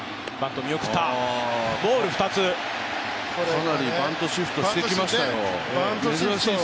かなりバントシフトしてきましたよ。